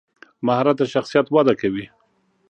مهارت د شخصیت وده کوي.